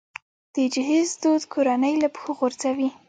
د جهیز دود کورنۍ له پښو غورځوي.